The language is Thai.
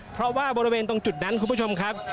เพราะว่าบริเวณตรงจุดนั้นคุณผู้ชมครับ